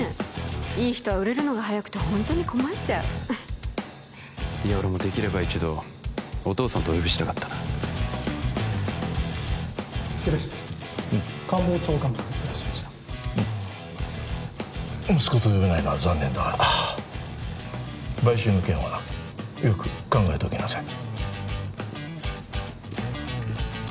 いい人は売れるのが早くてほんとに困っちゃういや俺もできれば一度「お義父さん」とお呼びしたかったな失礼します官房長官がいらっしゃいましたうん息子と呼べないのは残念だが買収の件はよく考えておきなさい